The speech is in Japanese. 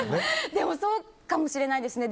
でもそうかもしれないですね。